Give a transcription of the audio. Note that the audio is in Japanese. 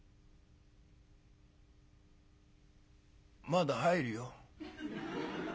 「まだ入るよ。